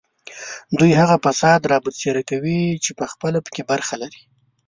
دوی هغه فساد رابرسېره کوي چې پخپله په کې برخه لري